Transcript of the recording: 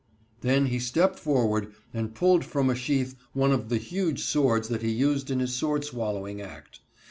Then he stepped forward and pulled from a sheath one of the huge swords that he used in his sword swallowing act.